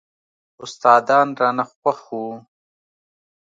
استادان رانه خوښ وو.